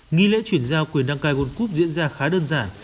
nghi lễ chuyển giao quyền đăng cai world cup diễn ra khá đơn giản